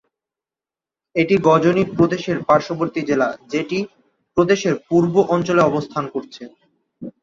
এটি গজনি প্রদেশের পার্শ্ববর্তী জেলা, যেটি প্রদেশের পূর্ব অঞ্চলে অবস্থান করছে।